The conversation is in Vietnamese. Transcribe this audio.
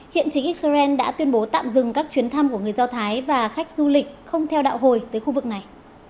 hiện chính israel đã tuyên bố tạm dừng các chuyến thăm của người do thái và khách du lịch không theo đạo hồi tới khu vực này